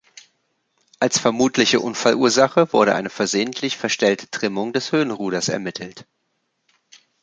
Als vermutliche Unfallursache wurde eine versehentlich verstellte Trimmung des Höhenruders ermittelt.